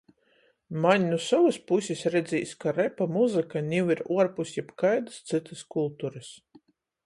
Maņ nu sovys pusis redzīs, ka repa muzyka niu ir uorpus jebkaidys cytys kulturys.